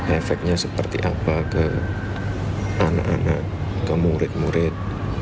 efeknya seperti apa ke anak anak ke murid murid